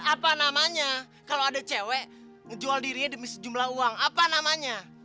apa namanya kalau ada cewek menjual dirinya demi sejumlah uang apa namanya